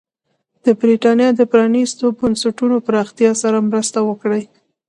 د برېټانیا د پرانېستو بنسټونو پراختیا سره مرسته وکړي.